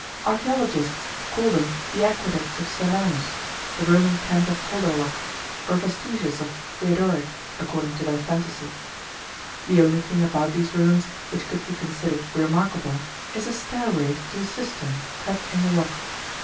Archaeologists call them the aqueducts of Seranus, the Roman camp of Holderlock, or vestiges of Theodoric, according to their fantasy. The only thing about these ruins which could be considered remarkable is a stairway to a cistern cut in the rock.